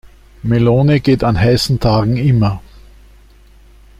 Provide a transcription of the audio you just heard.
Melone geht an heißen Tagen immer.